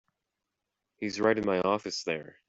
He's right in my office there.